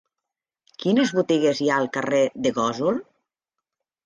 Quines botigues hi ha al carrer de Gósol?